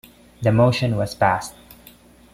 The motion was passed.